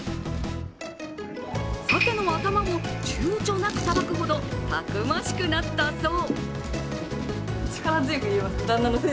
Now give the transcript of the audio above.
さけの頭もちゅうちょなくさばくほどたくましくなったそう。